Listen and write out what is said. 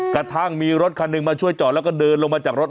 กระทั่งมีรถคันหนึ่งมาช่วยจอดแล้วก็เดินลงมาจากรถ